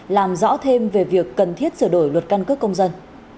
làm rõ thêm về việc cần thiết sửa đổi luật căn cước công dân